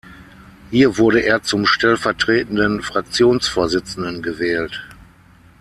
Hier wurde er zum stellvertretenden Fraktionsvorsitzenden gewählt.